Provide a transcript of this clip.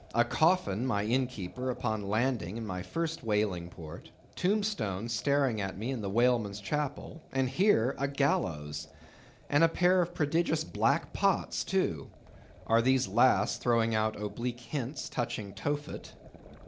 A Coffin my Innkeeper upon landing in my first whaling port; tombstones staring at me in the whalemen's chapel; and here a gallows! and a pair of prodigious black pots too! Are these last throwing out oblique hints touching Tophet?